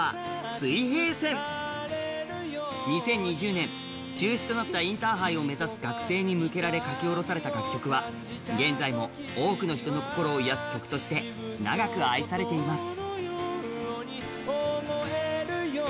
２０２０年、中止となったインターハイを目指す学生に向けて書き下ろされた曲は現在も多くの人の心を癒やす曲として長く愛されています。